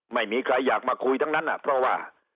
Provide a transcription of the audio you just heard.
ไม่มีใครอยากมาคุยทั้งนั้นเพราะว่า